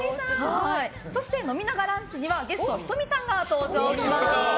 そして、飲みながランチ！にはゲスト、ｈｉｔｏｍｉさんが登場します。